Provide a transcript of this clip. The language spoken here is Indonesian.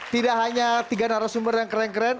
tidak hanya tiga narasumber yang keren keren